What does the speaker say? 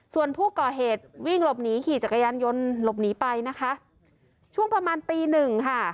ส่วนผู้ก่อเหตุวิ่งหลบหนีขี่จักรยานยนต์หลบหนีไปนะคะช่วงประมาณตีหนึ่งค่ะ